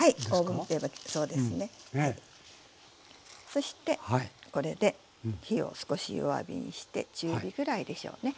そしてこれで火を少し弱火にして中火ぐらいでしょうね。